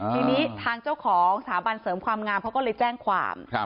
ทีนี้ทางเจ้าของสถาบันเสริมความงามเขาก็เลยแจ้งความ